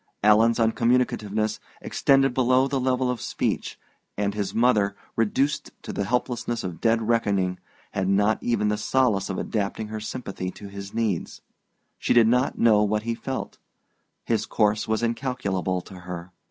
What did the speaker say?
Alan's uncommunicativeness extended below the level of speech, and his mother, reduced to the helplessness of dead reckoning, had not even the solace of adapting her sympathy to his needs. She did not know what he felt: his course was incalculable to her.